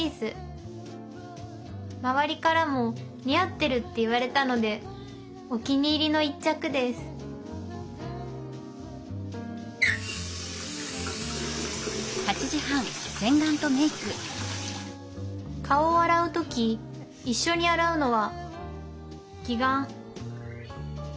周りからも似合ってるって言われたのでお気に入りの一着です顔を洗う時一緒に洗うのは義眼。